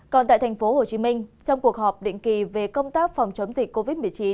còn tại tp hcm trong cuộc họp định kỳ về công tác phòng chống dịch covid một mươi chín